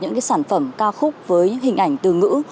những cái sản phẩm ca khúc với hình ảnh từ ngữ